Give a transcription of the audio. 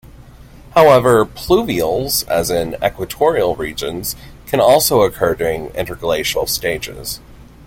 However, pluvials, as in equatorial regions, can also occur during interglacial stages.